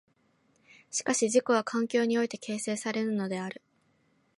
しかし自己は環境において形成されるのである。